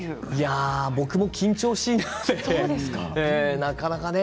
僕も緊張しいなのでなかなか。